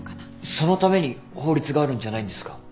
そのために法律があるんじゃないんですか？